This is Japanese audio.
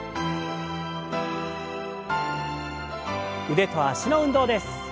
腕と脚の運動です。